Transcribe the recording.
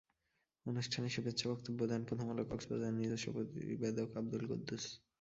অনুষ্ঠানে শুভেচ্ছা বক্তব্য দেন প্রথম আলো কক্সবাজারের নিজস্ব প্রতিবেদক আব্দুল কুদ্দুস।